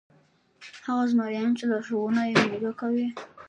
هغه زمریان چې لارښوونه یې مېږه کوي.